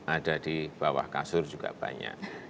ada di bawah kasur juga banyak